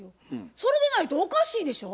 それでないとおかしいでしょ？